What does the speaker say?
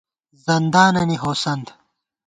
زندانَنی ہوسَند